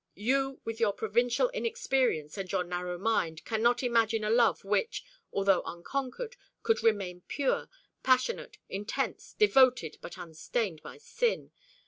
You, with your provincial inexperience and your narrow mind, cannot imagine a love which, although unconquered, could remain pure passionate, intense, devoted, but unstained by sin.